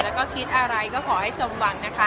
แล้วก็คิดอะไรก็ขอให้สมหวังนะคะ